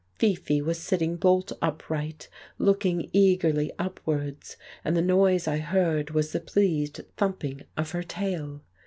Fifi was sitting bolt upright looking eagerly upwards, and the noise I heard was the pleased thumping of her tail.